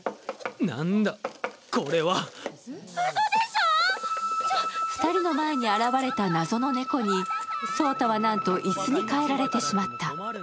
すると２人の前に現れた謎の猫に草太はなんと椅子に変えられてしまった。